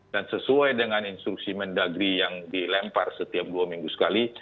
dan sesuai dengan instruksi mendagri yang dilempar setiap dua minggu sekali